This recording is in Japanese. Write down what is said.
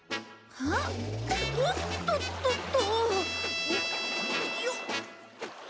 ああおっとっとっと！